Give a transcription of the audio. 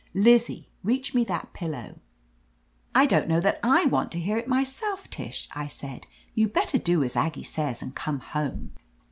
"Lizzie, reach me that pillow." "I don't know that I want to hear it myself, Tish," I said. "You'd better do as Aggie says and come home.